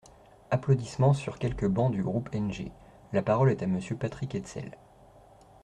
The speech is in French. (Applaudissements sur quelques bancs du groupe NG.) La parole est à Monsieur Patrick Hetzel.